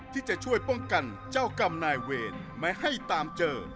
ที่จะช่วยป้องกันเจ้ากรรมนายเวรไม่ให้ตามเจอ